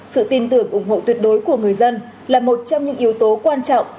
sự tin tưởng ủng hộ tuyệt đối của người dân là một trong những yếu tố quan trọng